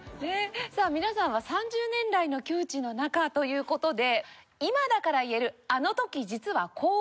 さあ皆さんは３０年来の旧知の仲という事で今だから言えるあの時実はこう思っていた！